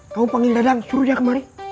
kamu panggil dadang suruh dia kemari